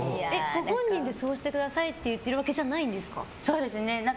ご本人でそうしてくださいって言ってるわけじゃないんですか？